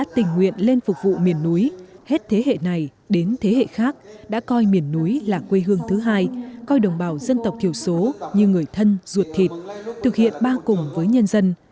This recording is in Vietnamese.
tình nguyện lên phục vụ miền núi hết thế hệ này đến thế hệ khác đã coi miền núi là quê hương thứ hai coi đồng bào dân tộc thiểu số như người thân ruột thịt thực hiện ba cùng với nhân dân